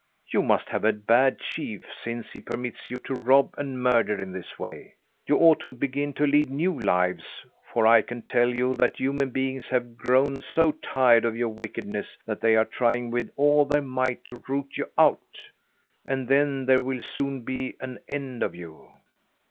You must have a bad chief, since he permits you to rob and murder in this way. You ought to begin to lead new lives, for I can tell you that human beings have grown so tired of your wickedness they are trying with all their might to root you out. And then there will soon be an end of you."